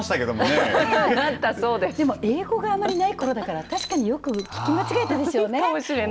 英語があまりないころだから確かによく聞き間違えたでしょうね。